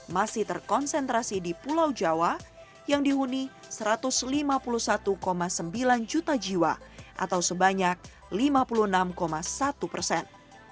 masih terkonsentrasi di pulau jawa yang dihuni satu ratus lima puluh satu sembilan juta jiwa atau sebanyak lima puluh enam satu persen